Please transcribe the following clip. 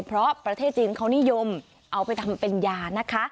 เพราะประเทศจีนเขานิยมเอาไปทำเป็นยานะคะ